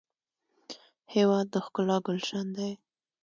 هېواد د ښکلا ګلشن دی.